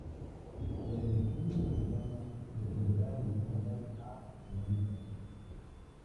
La elección de la ventana dependerá de la señal a analizar.